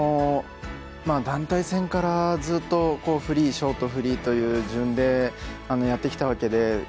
団体戦からずっとフリー、ショートフリー、ショートという順でやってきたわけで。